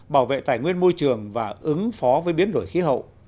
bảo vệ tài nguyên môi trường và ứng phó với biến đổi khí hậu